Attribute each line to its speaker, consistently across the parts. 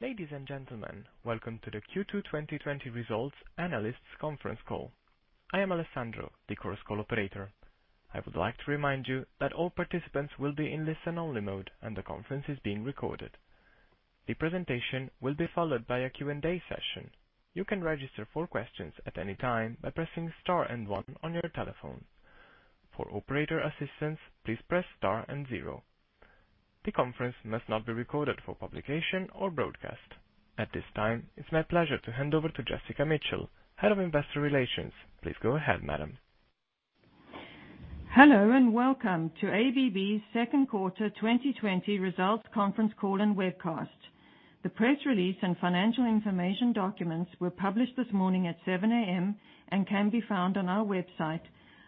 Speaker 1: Ladies and gentlemen, welcome to the Q2 2020 results analyst conference call. I am Alessandro, the Chorus Call operator. I would like to remind you that all participants will be in listen-only mode, and the conference is being recorded. The presentation will be followed by a Q&A session. You can register for questions at any time by pressing star and one on your telephone. For operator assistance, please press star and zero. The conference must not be recorded for publication or broadcast. At this time, it's my pleasure to hand over to Jessica Mitchell, Head of Investor Relations. Please go ahead, madam.
Speaker 2: Hello, and welcome to ABB's second quarter 2020 results conference call and webcast. The press release and financial information documents were published this morning at 7:00 A.M., and can be found on our website,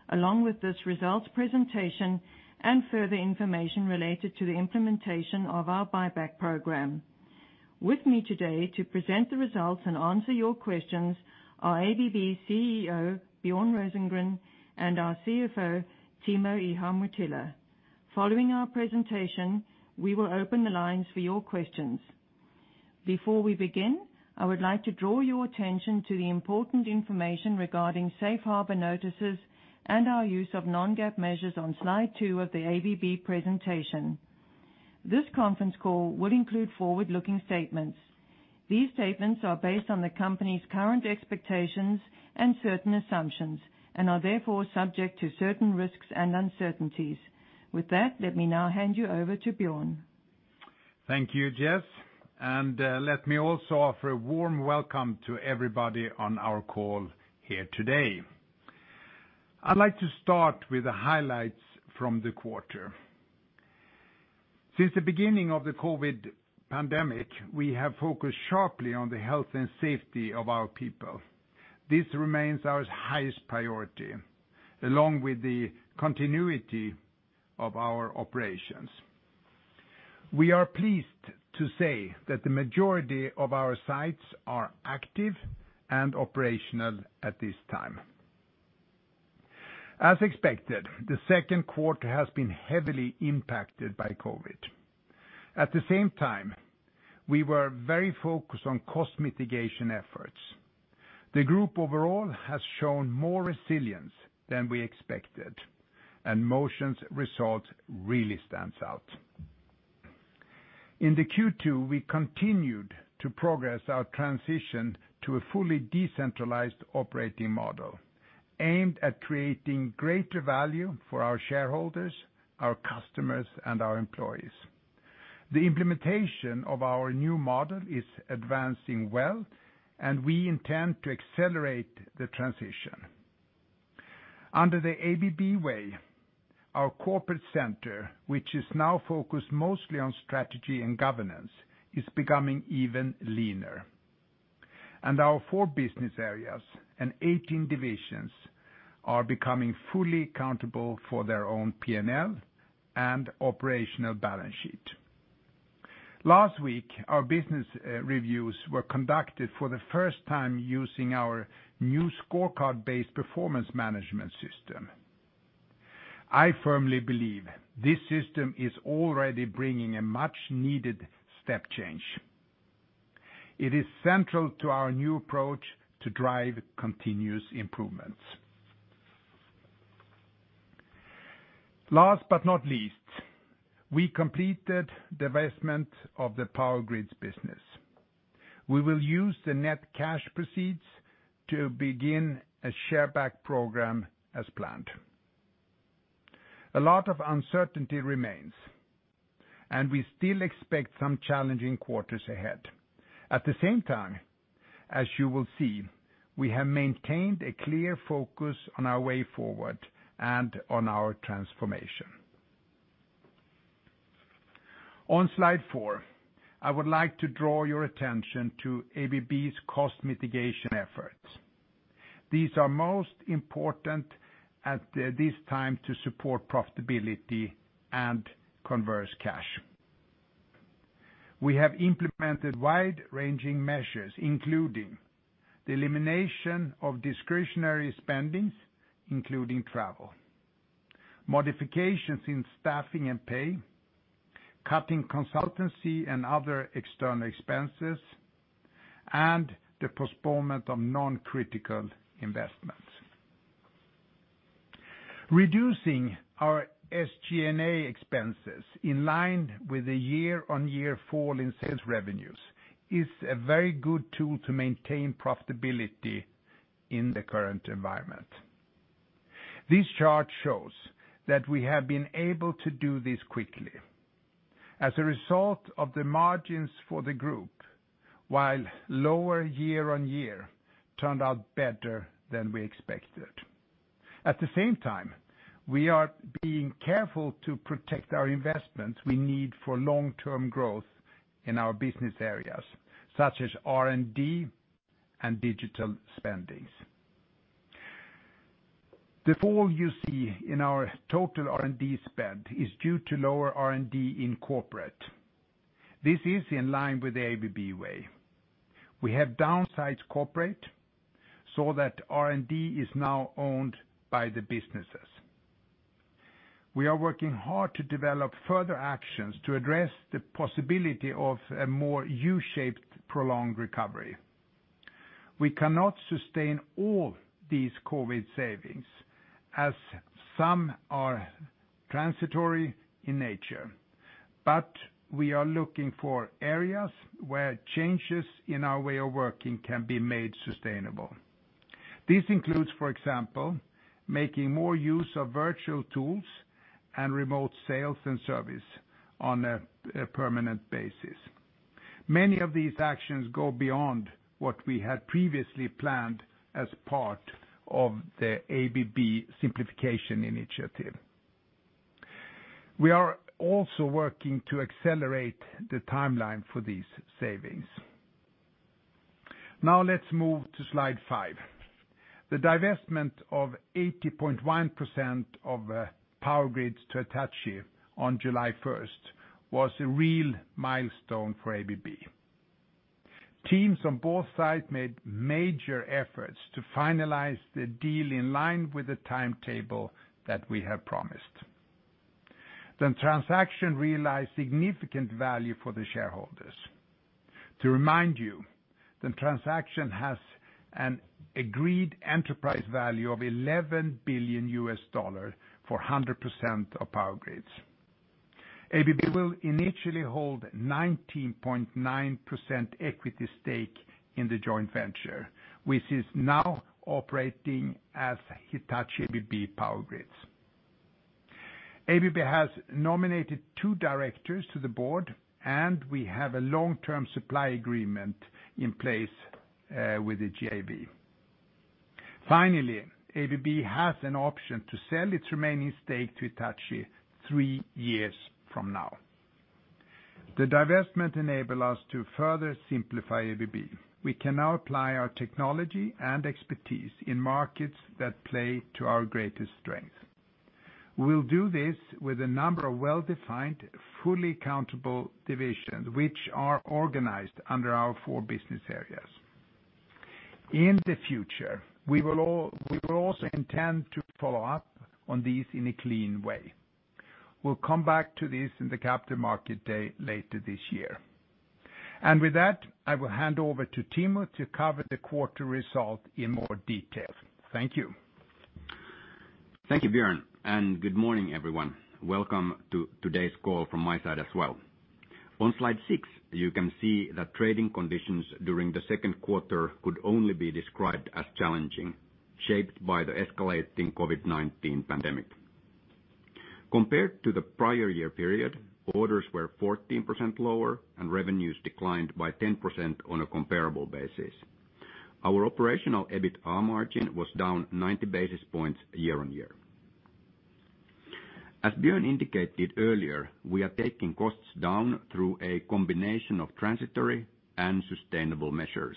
Speaker 2: along with this results presentation and further information related to the implementation of our buyback program. With me today to present the results and answer your questions are ABB CEO, Björn Rosengren, and our CFO, Timo Ihamuotila. Following our presentation, we will open the lines for your questions. Before we begin, I would like to draw your attention to the important information regarding safe harbor notices and our use of non-GAAP measures on slide two of the ABB presentation. This conference call will include forward-looking statements. These statements are based on the company's current expectations and certain assumptions, and are therefore subject to certain risks and uncertainties. With that, let me now hand you over to Björn.
Speaker 3: Thank you, Jess. Let me also offer a warm welcome to everybody on our call here today. I'd like to start with the highlights from the quarter. Since the beginning of the COVID pandemic, we have focused sharply on the health and safety of our people. This remains our highest priority, along with the continuity of our operations. We are pleased to say that the majority of our sites are active and operational at this time. As expected, the second quarter has been heavily impacted by COVID. At the same time, we were very focused on cost mitigation efforts. The group overall has shown more resilience than we expected, and Motion's results really stands out. In the Q2, we continued to progress our transition to a fully decentralized operating model, aimed at creating greater value for our shareholders, our customers, and our employees. The implementation of our new model is advancing well, and we intend to accelerate the transition. Under the ABB Way, our corporate center, which is now focused mostly on strategy and governance, is becoming even leaner, and our four business areas and 18 divisions are becoming fully accountable for their own P&L and operational balance sheet. Last week, our business reviews were conducted for the first time using our new scorecard-based performance management system. I firmly believe this system is already bringing a much-needed step change. It is central to our new approach to drive continuous improvements. Last but not least, we completed the divestment of the Power Grids business. We will use the net cash proceeds to begin a share buyback program as planned. A lot of uncertainty remains, and we still expect some challenging quarters ahead. At the same time, as you will see, we have maintained a clear focus on our way forward and on our transformation. On Slide 4, I would like to draw your attention to ABB's cost mitigation efforts. These are most important at this time to support profitability and conserve cash. We have implemented wide-ranging measures, including the elimination of discretionary spending, including travel, modifications in staffing and pay, cutting consultancy and other external expenses, and the postponement of non-critical investments. Reducing our SG&A expenses in line with the year-on-year fall in sales revenues is a very good tool to maintain profitability in the current environment. This chart shows that we have been able to do this quickly. As a result of the margins for the Group, while lower year-on-year turned out better than we expected. At the same time, we are being careful to protect our investments we need for long-term growth in our business areas, such as R&D and digital spending. The fall you see in our total R&D spend is due to lower R&D in corporate. This is in line with the ABB Way. We have downsized corporate so that R&D is now owned by the businesses. We are working hard to develop further actions to address the possibility of a more U-shaped, prolonged recovery. We cannot sustain all these COVID savings, as some are transitory in nature. We are looking for areas where changes in our way of working can be made sustainable. This includes, for example, making more use of virtual tools and remote sales and service on a permanent basis. Many of these actions go beyond what we had previously planned as part of the ABB simplification initiative. We are also working to accelerate the timeline for these savings. Let's move to slide five. The divestment of 80.1% of Power Grids to Hitachi on July 1st was a real milestone for ABB. Teams on both sides made major efforts to finalize the deal in line with the timetable that we have promised. The transaction realized significant value for the shareholders. To remind you, the transaction has an agreed enterprise value of $11 billion for 100% of Power Grids. ABB will initially hold 19.9% equity stake in the joint venture, which is now operating as Hitachi ABB Power Grids. ABB has nominated two directors to the board, and we have a long-term supply agreement in place with the JV. Finally, ABB has an option to sell its remaining stake to Hitachi three years from now. The divestment enable us to further simplify ABB. We can now apply our technology and expertise in markets that play to our greatest strength. We'll do this with a number of well-defined, fully accountable divisions, which are organized under our four business areas. In the future, we will also intend to follow up on these in a clean way. We'll come back to this in the Capital Markets Day later this year. With that, I will hand over to Timo to cover the quarter result in more detail. Thank you.
Speaker 4: Thank you, Björn, good morning, everyone. Welcome to today's call from my side as well. On slide six, you can see that trading conditions during the second quarter could only be described as challenging, shaped by the escalating COVID-19 pandemic. Compared to the prior year period, orders were 14% lower, and revenues declined by 10% on a comparable basis. Our Operational EBITA margin was down 90 basis points year-on-year. As Björn indicated earlier, we are taking costs down through a combination of transitory and sustainable measures,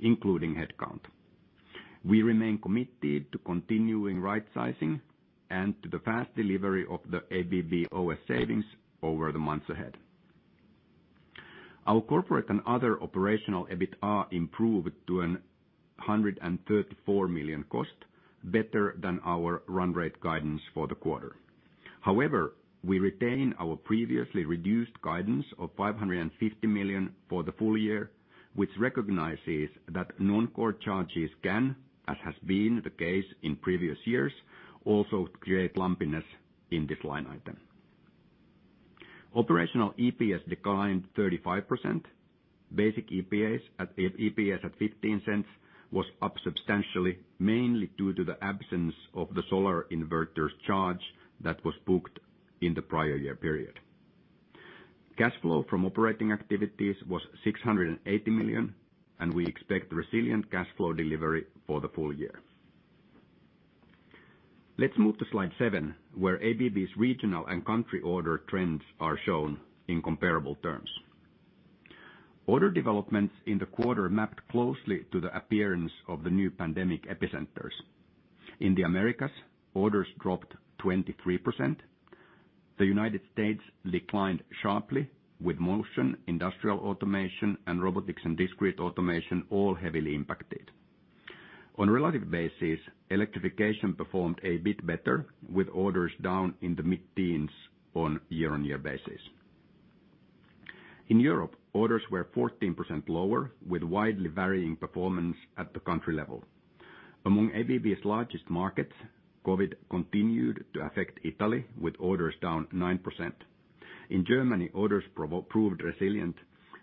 Speaker 4: including headcount. We remain committed to continuing rightsizing and to the fast delivery of the ABB OS savings over the months ahead. Our corporate and other Operational EBITA improved to $134 million cost, better than our run rate guidance for the quarter. We retain our previously reduced guidance of $550 million for the full year, which recognizes that non-core charges can, as has been the case in previous years, also create lumpiness in this line item. Operational EPS declined 35%. Basic EPS at $0.15 was up substantially, mainly due to the absence of the solar inverter charge that was booked in the prior year period. Cash flow from operating activities was $680 million, we expect resilient cash flow delivery for the full year. Let's move to slide seven, where ABB's regional and country order trends are shown in comparable terms. Order developments in the quarter mapped closely to the appearance of the new pandemic epicenters. In the Americas, orders dropped 23%. The U.S. declined sharply with Motion, Industrial Automation, and Robotics & Discrete Automation all heavily impacted. On a relative basis, Electrification performed a bit better, with orders down in the mid-teens on year-on-year basis. In Europe, orders were 14% lower, with widely varying performance at the country level. Among ABB's largest markets, COVID continued to affect Italy, with orders down 9%. In Germany, orders proved resilient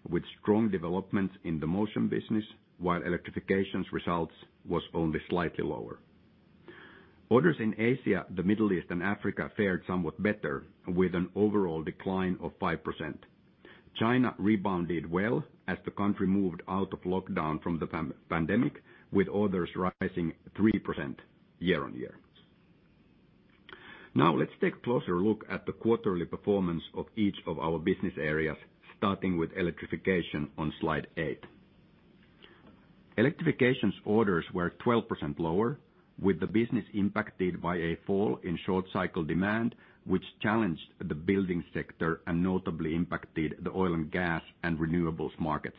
Speaker 4: with strong developments in the Motion business, while Electrification's results was only slightly lower. Orders in Asia, the Middle East, and Africa fared somewhat better, with an overall decline of 5%. China rebounded well as the country moved out of lockdown from the pandemic, with orders rising 3% year-on-year. Now let's take a closer look at the quarterly performance of each of our business areas, starting with Electrification on slide eight. Electrification's orders were 12% lower, with the business impacted by a fall in short cycle demand, which challenged the building sector and notably impacted the oil and gas and renewables markets.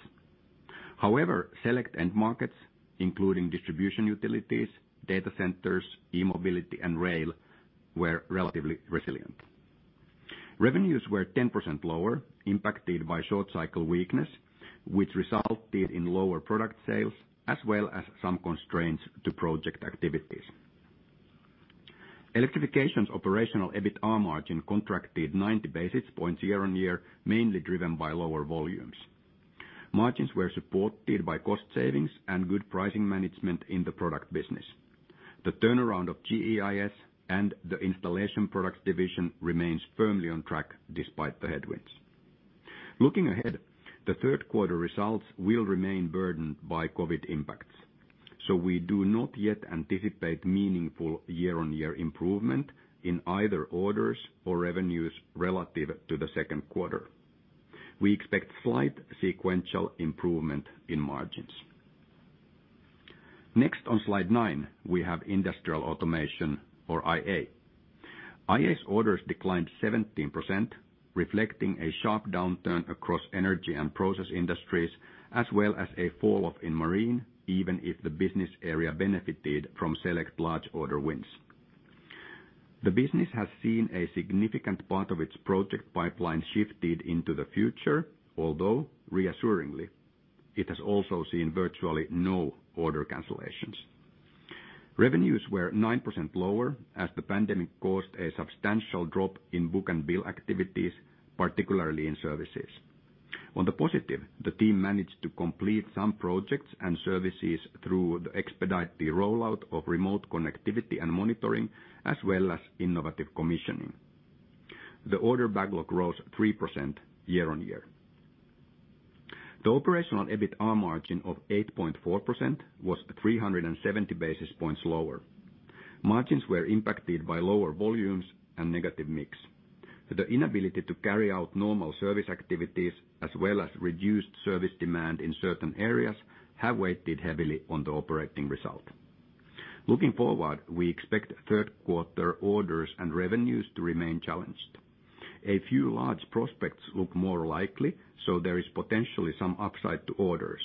Speaker 4: However, select end markets, including distribution utilities, data centers, E-mobility, and rail, were relatively resilient. Revenues were 10% lower, impacted by short cycle weakness, which resulted in lower product sales, as well as some constraints to project activities. Electrification's Operational EBITA margin contracted 90 basis points year-on-year, mainly driven by lower volumes. Margins were supported by cost savings and good pricing management in the product business. The turnaround of GEIS and the Installation Products division remains firmly on track despite the headwinds. Looking ahead, the third quarter results will remain burdened by COVID impacts. We do not yet anticipate meaningful year-on-year improvement in either orders or revenues relative to the second quarter. We expect slight sequential improvement in margins. Next on slide 9, we have Industrial Automation, or IA. IA's orders declined 17%, reflecting a sharp downturn across Energy Industries and Process Industries, as well as a falloff in marine, even if the business area benefited from select large order wins. The business has seen a significant part of its project pipeline shifted into the future, although reassuringly, it has also seen virtually no order cancellations. Revenues were 9% lower as the pandemic caused a substantial drop in book-to-bill activities, particularly in services. On the positive, the team managed to complete some projects and services through the expedite the rollout of remote connectivity and monitoring, as well as innovative commissioning. The order backlog rose 3% year-on-year. The Operational EBITA margin of 8.4% was 370 basis points lower. Margins were impacted by lower volumes and negative mix. The inability to carry out normal service activities as well as reduced service demand in certain areas, have weighted heavily on the operating result. Looking forward, we expect third quarter orders and revenues to remain challenged. A few large prospects look more likely. There is potentially some upside to orders.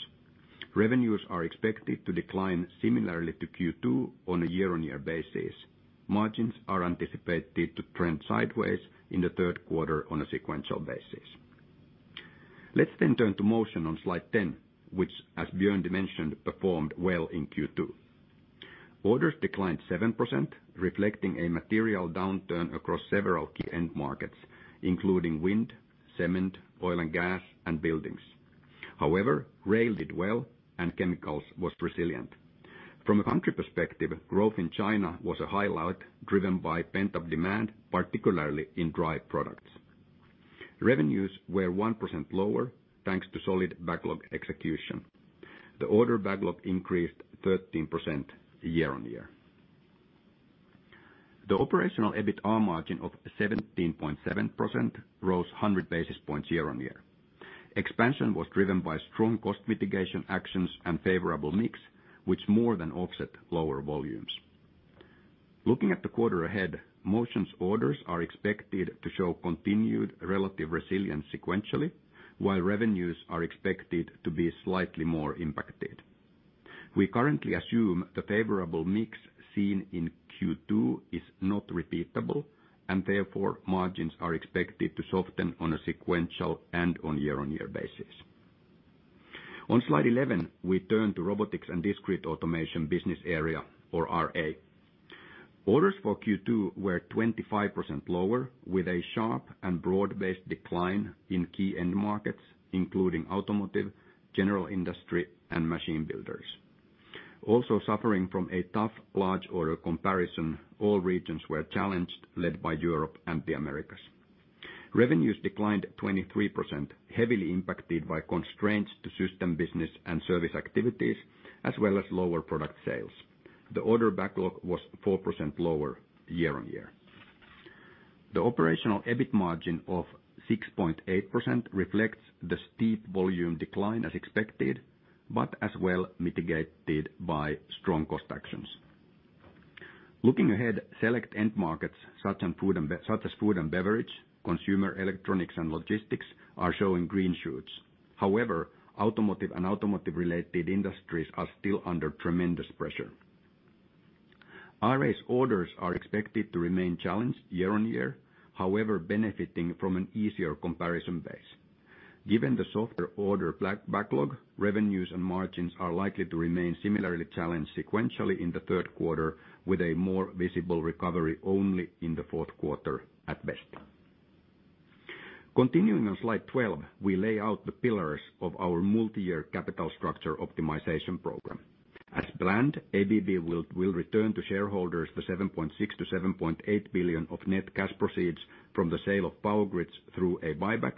Speaker 4: Revenues are expected to decline similarly to Q2 on a year-on-year basis. Margins are anticipated to trend sideways in the third quarter on a sequential basis. Let's turn to Motion on slide 10, which, as Björn mentioned, performed well in Q2. Orders declined 7%, reflecting a material downturn across several key end markets, including wind, cement, oil and gas, and buildings. Rail did well and chemicals was resilient. From a country perspective, growth in China was a highlight driven by pent-up demand, particularly in drive products. Revenues were 1% lower, thanks to solid backlog execution. The order backlog increased 13% year-on-year. The Operational EBITA margin of 17.7% rose 100 basis points year-on-year. Expansion was driven by strong cost mitigation actions and favorable mix, which more than offset lower volumes. Looking at the quarter ahead, Motion's orders are expected to show continued relative resilience sequentially, while revenues are expected to be slightly more impacted. We currently assume the favorable mix seen in Q2 is not repeatable, and therefore, margins are expected to soften on a sequential and on year-on-year basis. On slide 11, we turn to Robotics & Discrete Automation business area, or RA. Orders for Q2 were 25% lower, with a sharp and broad-based decline in key end markets, including automotive, general industry, and machine builders. Also suffering from a tough large order comparison, all regions were challenged, led by Europe and the Americas. Revenues declined 23%, heavily impacted by constraints to system business and service activities, as well as lower product sales. The order backlog was 4% lower year-on-year. The Operational EBIT margin of 6.8% reflects the steep volume decline as expected, but as well mitigated by strong cost actions. However, select end markets, such as food and beverage, consumer electronics, and logistics, are showing green shoots. Automotive and automotive-related industries are still under tremendous pressure. RA's orders are expected to remain challenged year-on-year, however, benefiting from an easier comparison base. Given the softer order backlog, revenues and margins are likely to remain similarly challenged sequentially in the third quarter, with a more visible recovery only in the fourth quarter at best. Continuing on slide 12, we lay out the pillars of our multi-year capital structure optimization program. As planned, ABB will return to shareholders the $7.6 billion-$7.8 billion of net cash proceeds from the sale of Power Grids through a buyback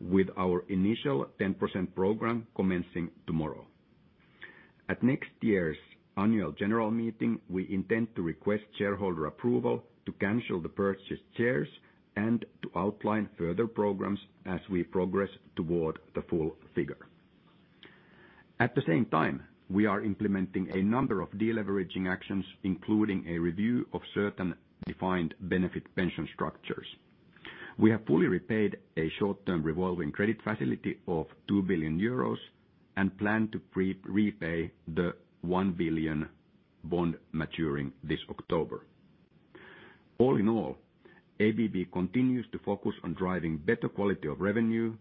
Speaker 4: with our initial 10% program commencing tomorrow. At next year's annual general meeting, we intend to request shareholder approval to cancel the purchase shares and to outline further programs as we progress toward the full figure. At the same time, we are implementing a number of deleveraging actions, including a review of certain defined benefit pension structures. We have fully repaid a short-term revolving credit facility of 2 billion euros and plan to pre-repay the 1 billion bond maturing this October. All in all, ABB continues to focus on driving better quality of revenue,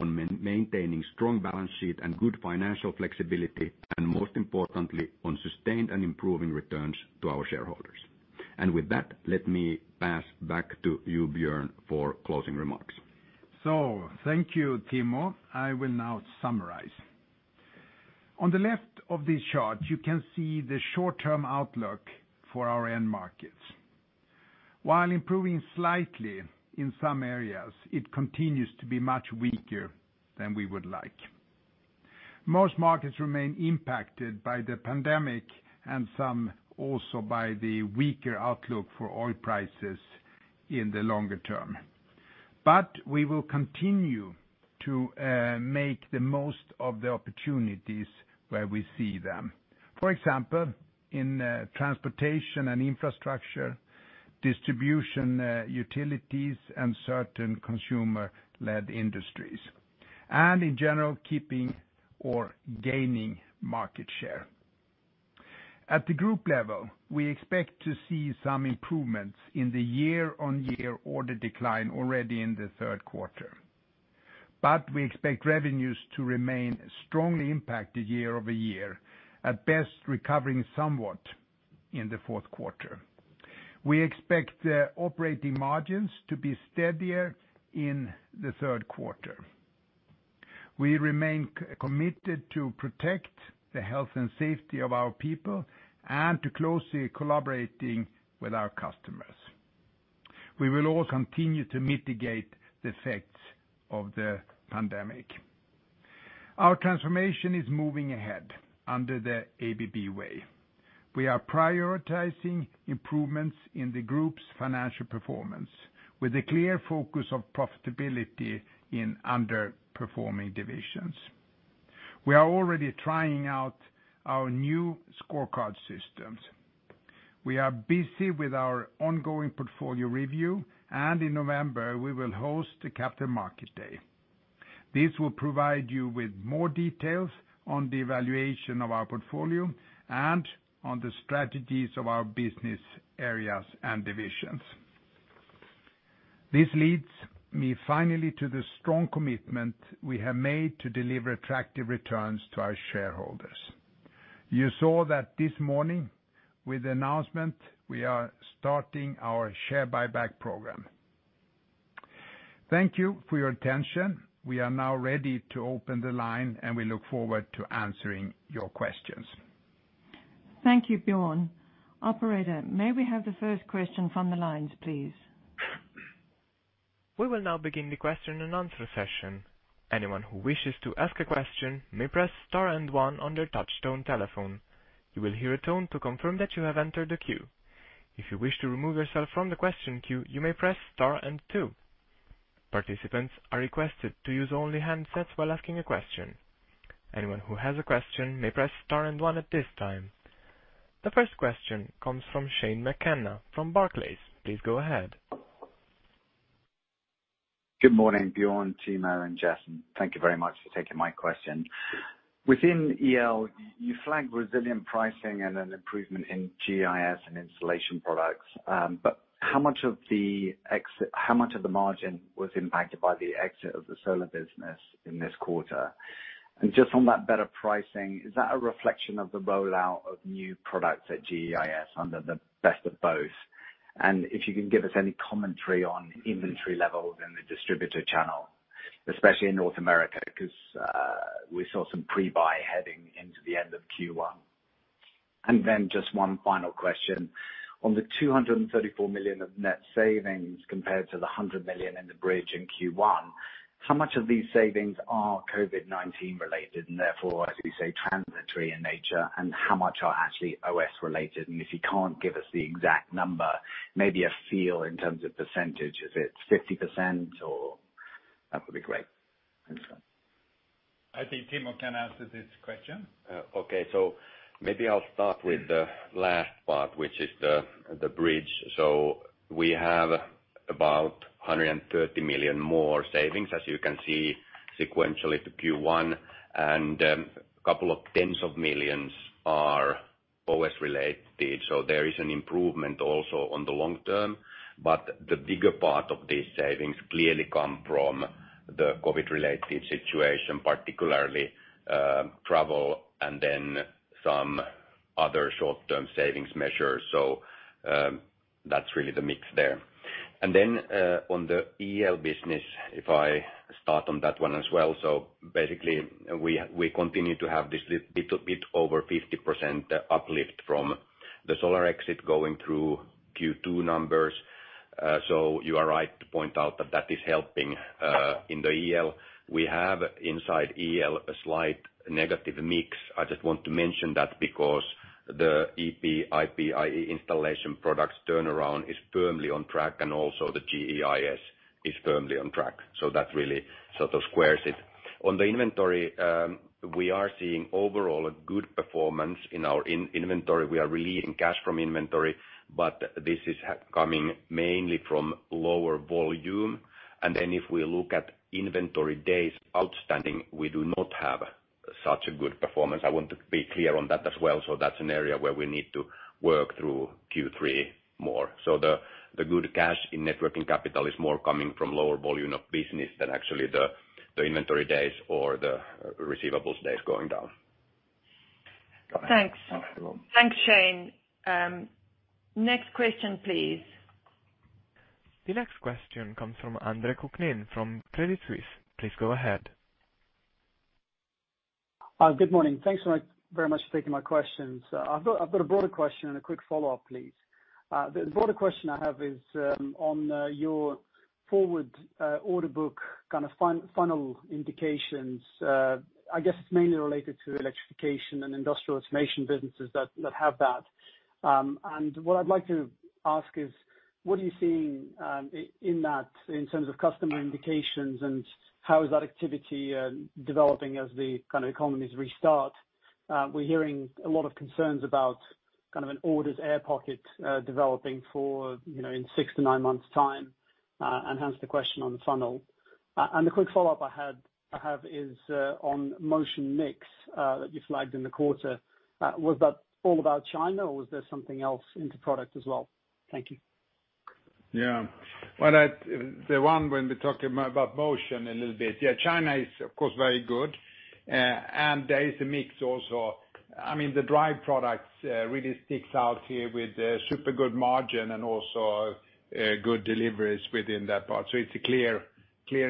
Speaker 4: on maintaining strong balance sheet and good financial flexibility, and most importantly, on sustained and improving returns to our shareholders. With that, let me pass back to you, Björn, for closing remarks.
Speaker 3: Thank you, Timo. I will now summarize. On the left of this chart, you can see the short-term outlook for our end markets. While improving slightly in some areas, it continues to be much weaker than we would like. Most markets remain impacted by the pandemic and some also by the weaker outlook for oil prices in the longer term. We will continue to make the most of the opportunities where we see them. For example, in transportation and infrastructure, distribution utilities, and certain consumer-led industries. In general, keeping or gaining market share. At the group level, we expect to see some improvements in the year-on-year order decline already in the third quarter. We expect revenues to remain strongly impacted year-over-year, at best, recovering somewhat in the fourth quarter. We expect the operating margins to be steadier in the third quarter. We remain committed to protect the health and safety of our people and to closely collaborating with our customers. We will all continue to mitigate the effects of the pandemic. Our transformation is moving ahead under the ABB Way. We are prioritizing improvements in the group's financial performance with a clear focus on profitability in underperforming divisions. We are already trying out our new scorecard systems. We are busy with our ongoing portfolio review. In November, we will host the Capital Markets Day. This will provide you with more details on the evaluation of our portfolio and on the strategies of our business areas and divisions. This leads me finally to the strong commitment we have made to deliver attractive returns to our shareholders. You saw that this morning with the announcement, we are starting our share buyback program. Thank you for your attention. We are now ready to open the line, and we look forward to answering your questions.
Speaker 2: Thank you, Björn. Operator, may we have the first question from the lines, please?
Speaker 1: We will now begin the question and answer session. Anyone who wishes to ask a question may press star and one on their touchtone telephone. You will hear a tone to confirm that you have entered the queue. If you wish to remove yourself from the question queue, you may press star and two. Participants are requested to use only handsets while asking a question. Anyone who has a question may press star and one at this time. The first question comes from Shane McKenna from Barclays. Please go ahead.
Speaker 5: Good morning, Björn, Timo, and Jess. Thank you very much for taking my question. Within EL, you flagged resilient pricing and an improvement in GEIS and Installation Products. How much of the margin was impacted by the exit of the solar business in this quarter? Just on that better pricing, is that a reflection of the rollout of new products at GEIS under the Best of Both? If you can give us any commentary on inventory levels in the distributor channel, especially in North America, because we saw some pre-buy heading into the end of Q1. Just one final question. On the $234 million of net savings compared to the $100 million in the bridge in Q1, how much of these savings are COVID-19 related and therefore, as we say, transitory in nature, and how much are actually OS related? If you can't give us the exact number, maybe a feel in terms of percentage. Is it 50% or? That would be great. Thanks.
Speaker 3: I think Timo can answer this question.
Speaker 4: Maybe I'll start with the last part, which is the bridge. We have about $130 million more savings, as you can see, sequentially to Q1, and a couple of tens of millions are OS related. There is an improvement also on the long term, but the bigger part of these savings clearly come from the COVID-related situation, particularly travel and then some other short-term savings measures. That's really the mix there. Then on the EL business, if I start on that one as well. Basically, we continue to have this little bit over 50% uplift from the solar exit going through Q2 numbers. You are right to point out that that is helping in the EL. We have inside EL a slight negative mix. I just want to mention that because the EP, IP, IE, Installation Products turnaround is firmly on track, and also the GEIS is firmly on track. That really sort of squares it. On the inventory, we are seeing overall a good performance in our inventory. We are releasing cash from inventory, but this is coming mainly from lower volume. If we look at inventory days outstanding, we do not have such a good performance. I want to be clear on that as well. That's an area where we need to work through Q3 more. The good cash in net working capital is more coming from lower volume of business than actually the inventory days or the receivables days going down.
Speaker 2: Thanks.
Speaker 4: Okay.
Speaker 2: Thanks, Shane. Next question, please.
Speaker 1: The next question comes from Andre Kukhnin from Credit Suisse. Please go ahead.
Speaker 6: Good morning. Thanks very much for taking my questions. I've got a broader question and a quick follow-up, please. The broader question I have is on your forward order book kind of funnel indications. I guess it's mainly related to Electrification and Industrial Automation businesses that have that. What I'd like to ask is, what are you seeing in that in terms of customer indications, and how is that activity developing as the kind of economies restart? We're hearing a lot of concerns about kind of an orders air pocket developing in 6-9 months' time. Hence, the question on the funnel. The quick follow-up I have is on Motion mix that you flagged in the quarter. Was that all about China or was there something else into product as well? Thank you.
Speaker 3: Well, the one when we're talking about Motion a little bit, China is of course very good. There is a mix also. I mean, the drive products really sticks out here with super good margin and also good deliveries within that part. It's a clear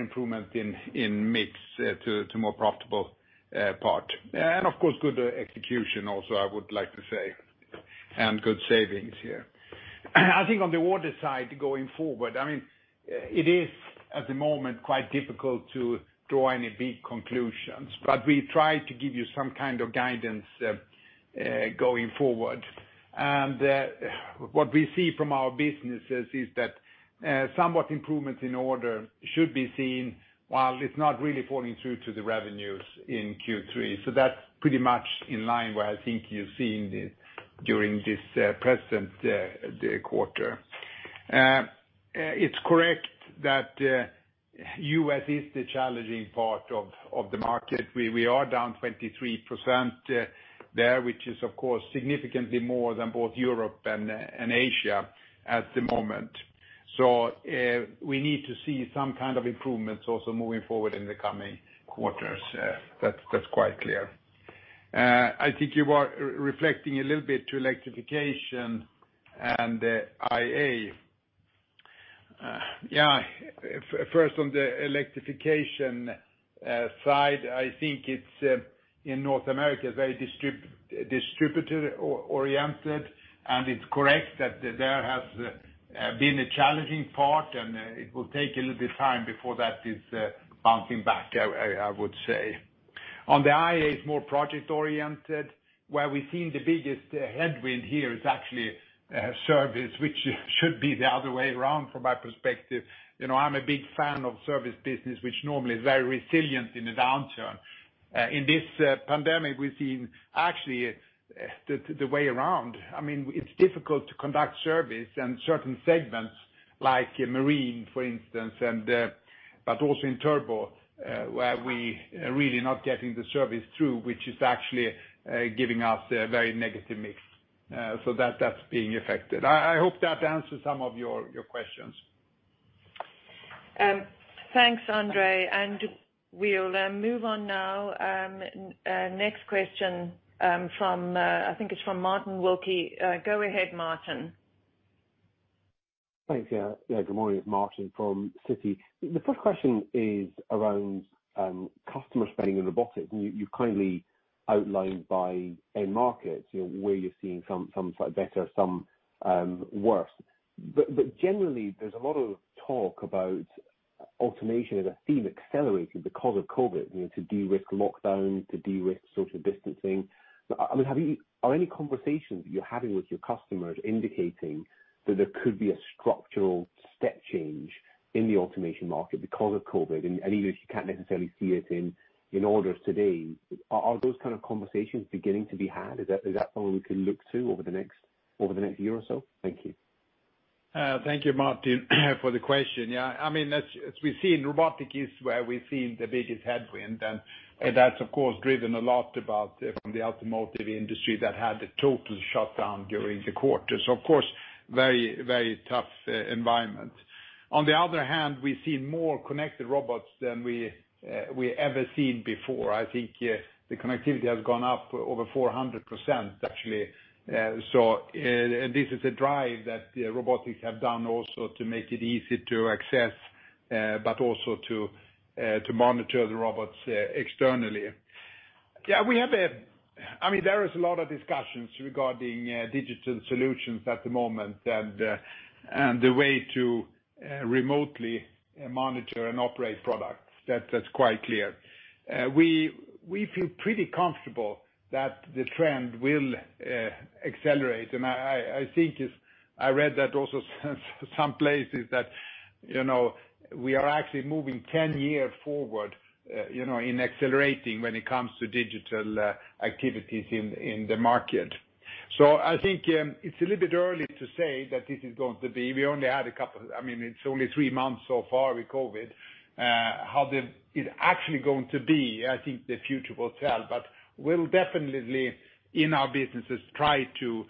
Speaker 3: improvement in mix to more profitable part. Of course, good execution also, I would like to say, and good savings here. I think on the order side going forward, I mean, it is at the moment quite difficult to draw any big conclusions, we try to give you some kind of guidance going forward. What we see from our businesses is that somewhat improvements in order should be seen while it's not really falling through to the revenues in Q3. That's pretty much in line where I think you're seeing during this present quarter. It's correct that U.S. is the challenging part of the market. We are down 23% there, which is of course significantly more than both Europe and Asia at the moment. We need to see some kind of improvements also moving forward in the coming quarters. That's quite clear. I think you are reflecting a little bit to Electrification and IA. First on the Electrification side, I think it's in North America, very distributor-oriented, and it's correct that there has been a challenging part, and it will take a little bit time before that is bouncing back, I would say. On the IA is more project-oriented, where we're seeing the biggest headwind here is actually service, which should be the other way around from my perspective. I'm a big fan of service business, which normally is very resilient in the downturn. In this pandemic, we've seen actually the way around. I mean, it's difficult to conduct service in certain segments like marine, for instance, but also in Turbo, where we're really not getting the service through, which is actually giving us a very negative mix. That's being affected. I hope that answers some of your questions.
Speaker 2: Thanks, Andre, and we'll move on now. Next question, I think it's from Martin Wilkie. Go ahead, Martin.
Speaker 7: Thanks. Yeah. Good morning. It's Martin from Citi. The first question is around customer spending in robotics, and you've kindly outlined by end markets where you're seeing some slight better, some worse. Generally, there's a lot of talk about automation as a theme accelerating because of COVID, to de-risk lockdowns, to de-risk social distancing. Are any conversations that you're having with your customers indicating that there could be a structural step change in the automation market because of COVID? Even if you can't necessarily see it in orders today, are those kind of conversations beginning to be had? Is that something we can look to over the next year or so? Thank you.
Speaker 3: Thank you, Martin, for the question. Yeah. I mean, as we see in robotic use where we've seen the biggest headwind, that's of course driven a lot about from the automotive industry that had a total shutdown during the quarter. Of course, very tough environment. On the other hand, we've seen more connected robots than we ever seen before. I think the connectivity has gone up over 400%, actually. This is a drive that Robotics have done also to make it easy to access, but also to monitor the robots externally. I mean, there is a lot of discussions regarding digital solutions at the moment, and the way to remotely monitor and operate products. That's quite clear. We feel pretty comfortable that the trend will accelerate, and I read that also some places that we are actually moving 10 years forward in accelerating when it comes to digital activities in the market. I think it's a little bit early to say that this is going to be. It's only three months so far with COVID. How it's actually going to be, I think the future will tell, but we'll definitely, in our businesses, try to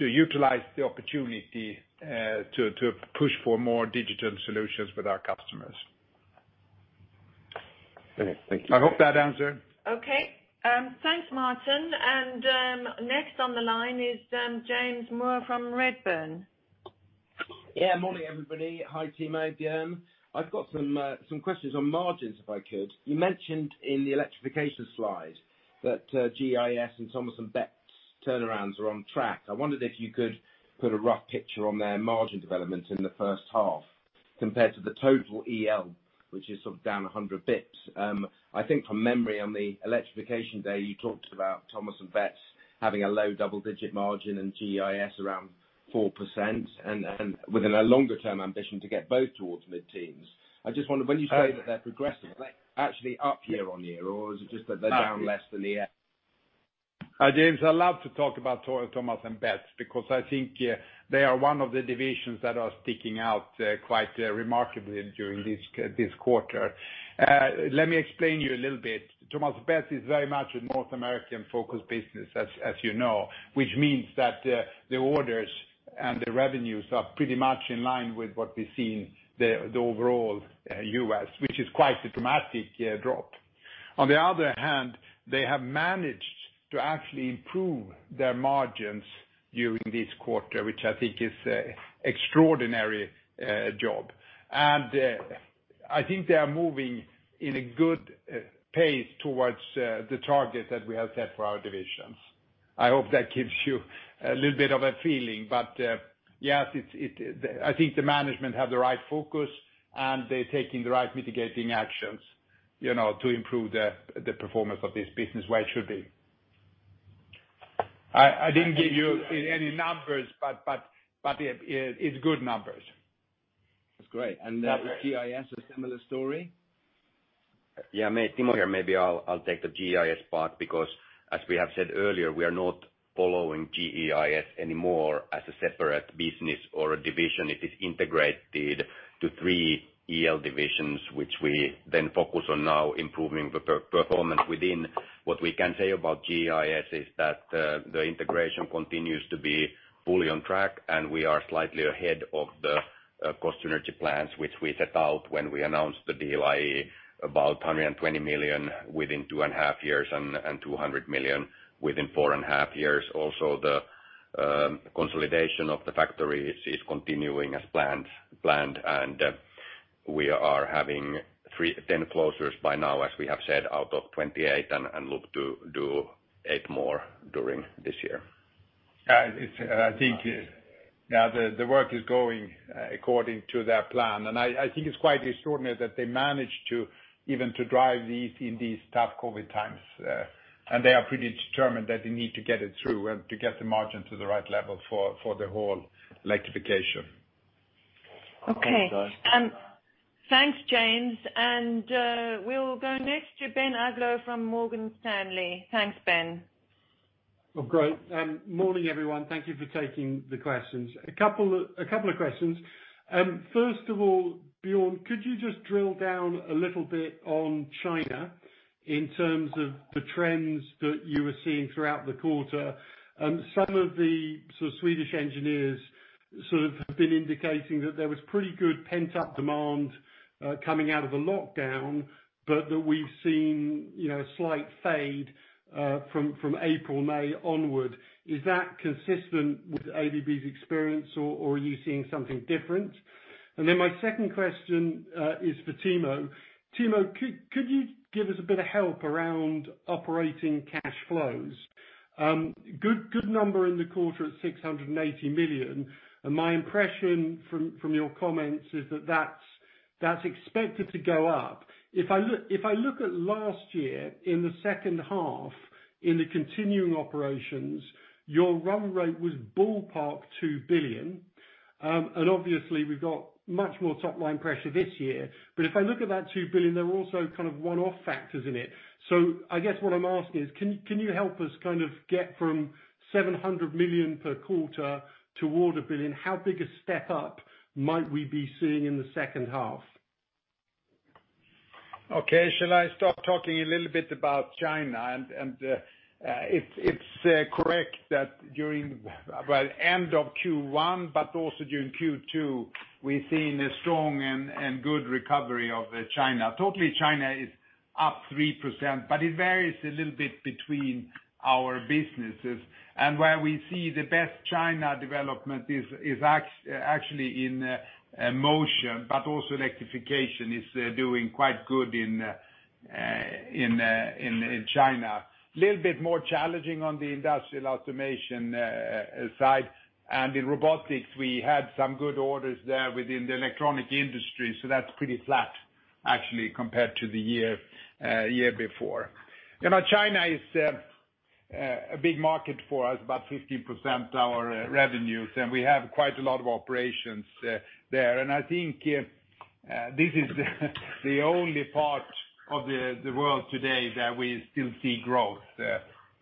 Speaker 3: utilize the opportunity to push for more digital solutions with our customers.
Speaker 7: Okay. Thank you.
Speaker 3: I hope that answered.
Speaker 2: Okay. Thanks, Martin. Next on the line is James Moore from Redburn.
Speaker 8: Morning everybody. Hi, team ABB. I've got some questions on margins, if I could. You mentioned in the Electrification slide that GEIS and Thomas & Betts turnarounds are on track. I wondered if you could put a rough picture on their margin development in the first half compared to the total EL, which is down 100 basis points. I think from memory on the Electrification Day, you talked about Thomas & Betts having a low double-digit margin and GEIS around 4%, and within a longer-term ambition to get both towards mid-teens. I just wonder, when you say that they're progressing, are they actually up year on year?
Speaker 3: James, I love to talk about Thomas & Betts because I think they are one of the divisions that are sticking out quite remarkably during this quarter. Let me explain you a little bit. Thomas & Betts is very much a North American-focused business, as you know, which means that the orders and the revenues are pretty much in line with what we see in the overall U.S., which is quite a dramatic drop. On the other hand, they have managed to actually improve their margins during this quarter, which I think is a extraordinary job. I think they are moving in a good pace towards the target that we have set for our divisions. I hope that gives you a little bit of a feeling, but yes, I think the management have the right focus, and they're taking the right mitigating actions to improve the performance of this business where it should be. I didn't give you any numbers, but it's good numbers.
Speaker 8: That's great. GEIS, a similar story?
Speaker 4: Yeah. Timo here. Maybe I'll take the GEIS part because as we have said earlier, we are not following GEIS anymore as a separate business or a division. It is integrated to three EL divisions, which we then focus on now improving the performance within. What we can say about GEIS is that the integration continues to be fully on track, and we are slightly ahead of the cost synergy plans, which we set out when we announced the deal, i.e., about $120 million within two and a half years, and $200 million within four and a half years. The consolidation of the factories is continuing as planned, and we are having 10 closures by now, as we have said, out of 28, and look to do eight more during this year.
Speaker 3: I think, the work is going according to their plan. I think it's quite extraordinary that they managed even to drive these in these tough COVID times, and they are pretty determined that they need to get it through, and to get the margin to the right level for the whole Electrification.
Speaker 2: Okay. Thanks, James. We'll go next to Ben Uglow from Morgan Stanley. Thanks, Ben.
Speaker 9: Well, great. Morning, everyone. Thank you for taking the questions. A couple of questions. First of all, Björn, could you just drill down a little bit on China in terms of the trends that you were seeing throughout the quarter? That we've seen a slight fade from April, May onward. Is that consistent with ABB's experience, or are you seeing something different? My second question is for Timo. Timo, could you give us a bit of help around operating cash flows? Good number in the quarter at $680 million. My impression from your comments is that that's expected to go up. If I look at last year in the second half in the continuing operations, your run rate was ballpark $2 billion. Obviously, we've got much more top-line pressure this year. If I look at that 2 billion, there are also kind of one-off factors in it. I guess what I'm asking is, can you help us kind of get from 700 million per quarter toward 1 billion? How big a step up might we be seeing in the second half?
Speaker 3: Okay. Shall I start talking a little bit about China? It's correct that during end of Q1, but also during Q2, we've seen a strong and good recovery of China. Totally, China is up 3%, but it varies a little bit between our businesses. Where we see the best China development is actually in Motion, but also Electrification is doing quite good in China. Little bit more challenging on the Industrial Automation side. In Robotics, we had some good orders there within the electronic industry, so that's pretty flat actually, compared to the year before. China is a big market for us, about 15% our revenues, and we have quite a lot of operations there. I think this is the only part of the world today that we still see growth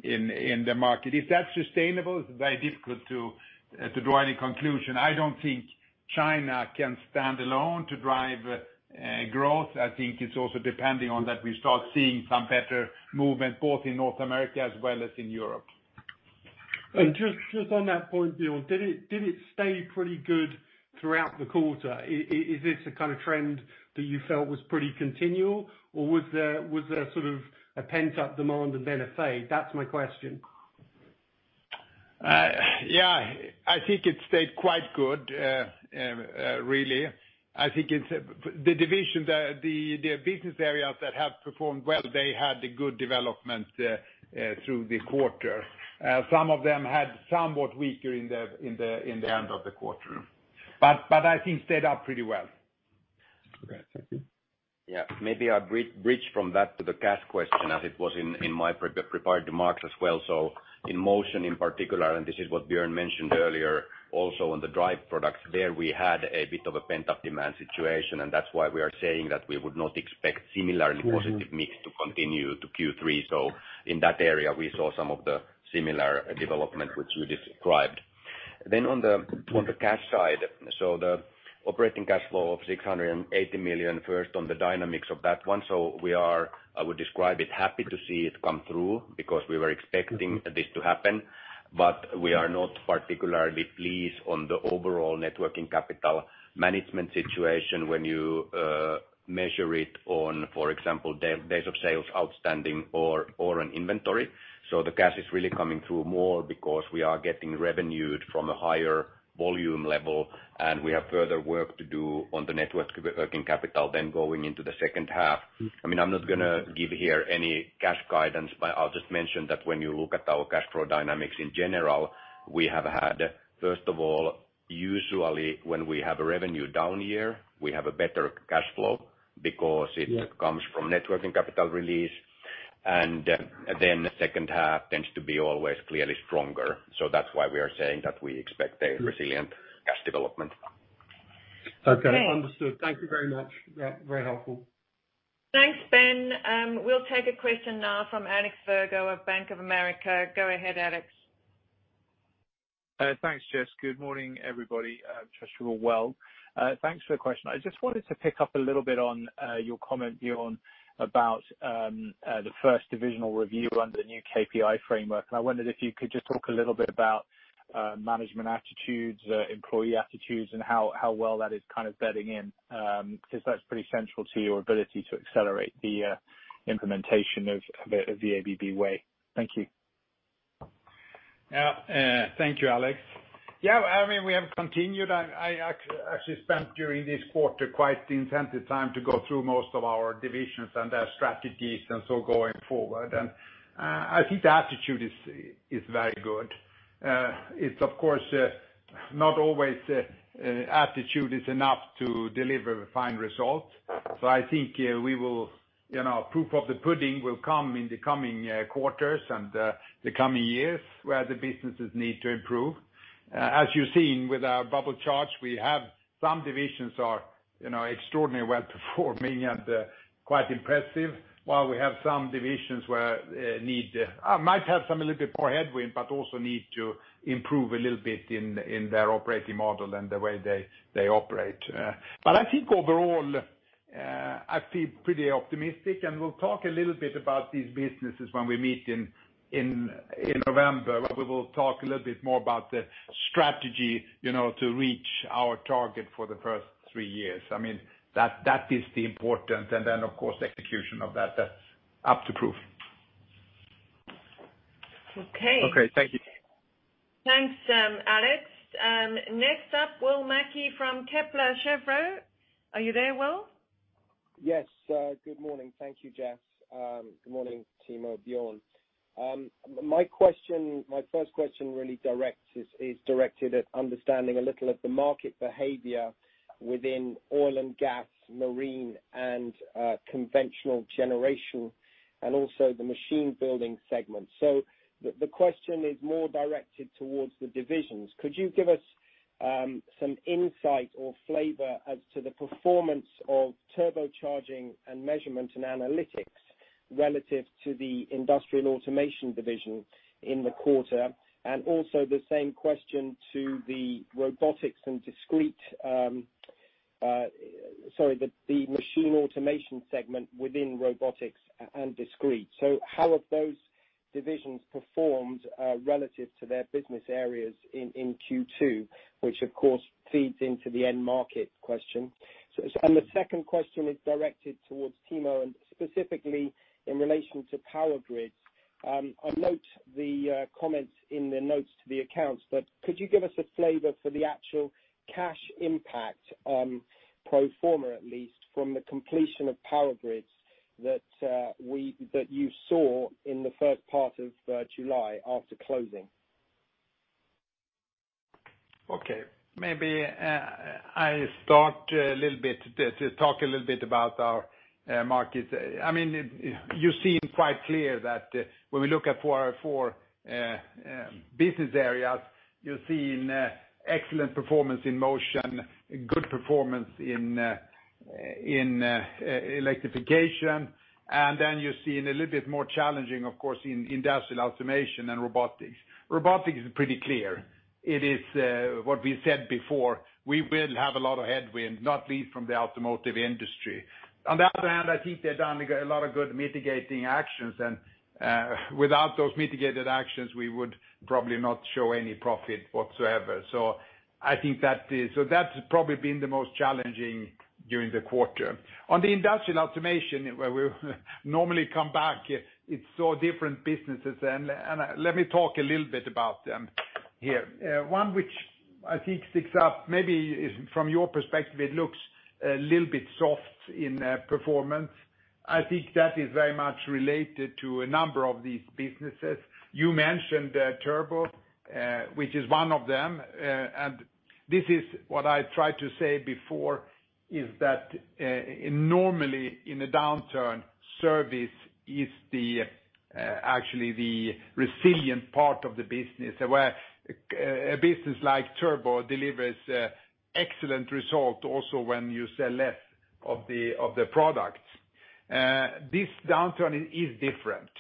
Speaker 3: in the market. If that's sustainable, it's very difficult to draw any conclusion. I don't think China can stand alone to drive growth. I think it's also dependent on that we start seeing some better movement, both in North America as well as in Europe.
Speaker 9: Just on that point, Björn, did it stay pretty good throughout the quarter? Is this a kind of trend that you felt was pretty continual, or was there sort of a pent-up demand and then a fade? That's my question.
Speaker 3: Yeah. I think it stayed quite good, really. I think the business areas that have performed well, they had a good development through the quarter. Some of them had somewhat weaker in the end of the quarter. I think stayed up pretty well.
Speaker 9: Okay, thank you.
Speaker 4: Yeah. Maybe I'll bridge from that to the cash question as it was in my prepared remarks as well. In Motion in particular, and this is what Björn mentioned earlier, also on the drive products there, we had a bit of a pent-up demand situation, and that's why we are saying that we would not expect similarly positive mix to continue to Q3. On the cash side, the operating cash flow of $680 million, first on the dynamics of that one. We are, I would describe it, happy to see it come through because we were expecting this to happen, but we are not particularly pleased on the overall networking capital management situation when you measure it on, for example, days of sales outstanding or an inventory. The cash is really coming through more because we are getting revenued from a higher volume level, and we have further work to do on the networking capital then going into the second half. I'm not going to give here any cash guidance, but I'll just mention that when you look at our cash flow dynamics in general, we have had, first of all, usually when we have a revenue down year, we have a better cash flow because it comes from networking capital release, and then the second half tends to be always clearly stronger. That's why we are saying that we expect a resilient cash development.
Speaker 9: Okay. Understood. Thank you very much. Very helpful.
Speaker 2: Thanks, Ben. We'll take a question now from Alexander Virgo of Bank of America. Go ahead, Alex.
Speaker 10: Thanks, Jess. Good morning, everybody. I trust you're all well. Thanks for the question. I just wanted to pick up a little bit on your comment, Björn, about the first divisional review on the new KPI framework. I wondered if you could just talk a little bit about management attitudes, employee attitudes, and how well that is kind of bedding in. Because that's pretty central to your ability to accelerate the implementation of the ABB Way. Thank you.
Speaker 3: Yeah. Thank you, Alex. We have continued. I actually spent during this quarter quite intensive time to go through most of our divisions and their strategies going forward. I think the attitude is very good. It's, of course, not always attitude is enough to deliver fine results. I think proof of the pudding will come in the coming quarters and the coming years, where the businesses need to improve. As you've seen with our bubble charts, we have some divisions are extraordinarily well-performing and quite impressive, while we have some divisions where might have some a little bit more headwind, but also need to improve a little bit in their operating model and the way they operate. I think overall, I feel pretty optimistic, and we'll talk a little bit about these businesses when we meet in November, where we will talk a little bit more about the strategy to reach our target for the first three years. That is the important, and then, of course, execution of that. That's up to proof.
Speaker 2: Okay.
Speaker 10: Okay. Thank you.
Speaker 2: Thanks, Alex. Next up, William Mackie from Kepler Cheuvreux. Are you there, Will?
Speaker 11: Good morning. Thank you, Jess. Good morning, team of Björn. My first question really is directed at understanding a little of the market behavior within oil and gas, marine, and conventional generation, and also the machine building segment. The question is more directed towards the divisions. Could you give us some insight or flavor as to the performance of Turbocharging and Measurement & Analytics relative to the Industrial Automation division in the quarter? Also the same question to the Machine Automation segment within Robotics & Discrete Automation. How have those divisions performed relative to their business areas in Q2, which, of course, feeds into the end market question? The second question is directed towards Timo, and specifically in relation to Power Grids. I note the comments in the notes to the accounts. Could you give us a flavor for the actual cash impact on pro forma, at least from the completion of Power Grids that you saw in the first part of July after closing?
Speaker 3: Maybe I start to talk a little bit about our markets. You seem quite clear that when we look at our four business areas, you're seeing excellent performance in Motion, good performance in Electrification, and you're seeing a little bit more challenging, of course, in Industrial Automation and Robotics. Robotics is pretty clear. It is what we said before. We will have a lot of headwind, not least from the automotive industry. I think they've done a lot of good mitigating actions, and without those mitigated actions, we would probably not show any profit whatsoever. That's probably been the most challenging during the quarter. The Industrial Automation, where we normally come back, it's so different businesses, and let me talk a little bit about them here. One which I think sticks out, maybe from your perspective, it looks a little bit soft in performance. I think that is very much related to a number of these businesses. You mentioned Turbo, which is one of them. This is what I tried to say before, is that normally in a downturn, service is actually the resilient part of the business, where a business like Turbo delivers excellent result also when you sell less of the products. This downturn is different.